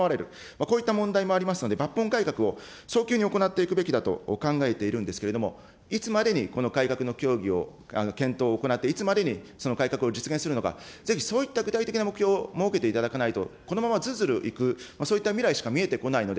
こういった問題もありますので、抜本改革を早急に行っていくべきだと考えているんですけれども、いつまでにこの改革の協議を検討を行って、いつまでにその改革を実現するのか、ぜひそういった具体的な目標を設けていただかないと、このままずるずるいく、そうした未来しか見えてこないので、